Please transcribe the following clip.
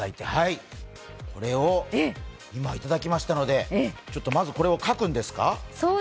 これを今いただきましたので、これを描くんですか？